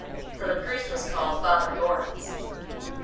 'for the Priest was called Father Lawrence.